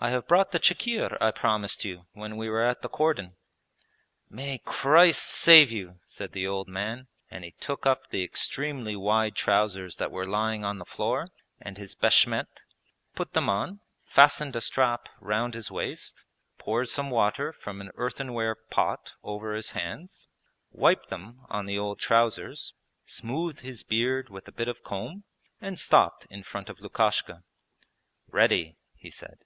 'I have brought the chikhir I promised you when we were at the cordon.' 'May Christ save you!' said the old man, and he took up the extremely wide trousers that were lying on the floor, and his beshmet, put them on, fastened a strap round his waist, poured some water from an earthenware pot over his hands, wiped them on the old trousers, smoothed his beard with a bit of comb, and stopped in front of Lukashka. 'Ready,' he said.